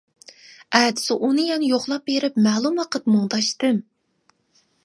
ئەتىسى ئۇنى يەنە يوقلاپ بېرىپ مەلۇم ۋاقىت مۇڭداشتىم.